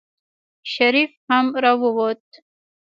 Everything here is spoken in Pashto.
شريف هم راووت.